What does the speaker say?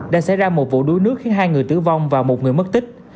đã xảy ra một vụ đuối nước khiến hai người tử vong và một người mất tích